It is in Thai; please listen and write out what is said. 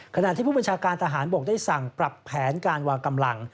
ขณะที่ผู้บัญชาการทหารบกได้สั่งปรับแผนการวางกำลัง